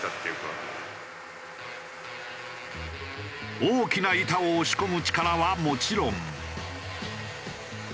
大きな板を押し込む力はもちろん。